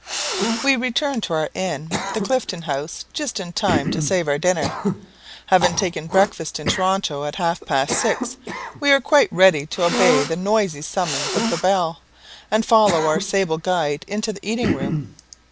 We returned to our inn, the Clifton House, just in time to save our dinner: having taken breakfast in Toronto at half past six, we were quite ready to obey the noisy summons of the bell, and follow our sable guide into the eating room.